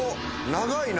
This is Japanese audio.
長いな。